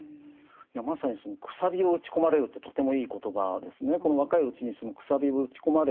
まさにその「楔を打ち込まれる」ってとてもいい言葉ですね。